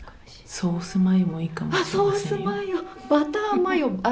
ソースマヨもいいかもしれませんよ。